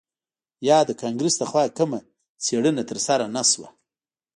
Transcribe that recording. یا د کانګرس لخوا کومه څیړنه ترسره نه شوه